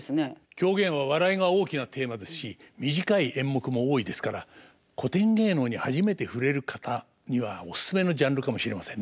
狂言は笑いが大きなテーマですし短い演目も多いですから古典芸能に初めて触れる方にはオススメのジャンルかもしれませんね。